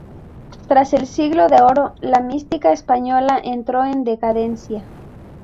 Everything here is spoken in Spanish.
Tras el Siglo de Oro, la mística española entró en decadencia.